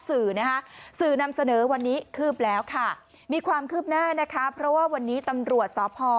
เธอพยายามที่จะบอกให้ข้อมูลกับตำรวจ